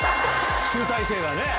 集大成がね。